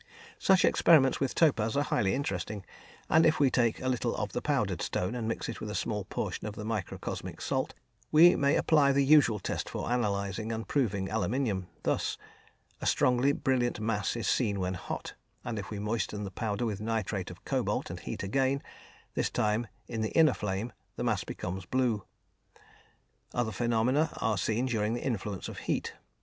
Such experiments with the topaz are highly interesting, and if we take a little of the powdered stone and mix with it a small portion of the microcosmic salt, we may apply the usual test for analysing and proving aluminium, thus: a strongly brilliant mass is seen when hot, and if we moisten the powder with nitrate of cobalt and heat again, this time in the inner flame, the mass becomes blue. Other phenomena are seen during the influence of heat.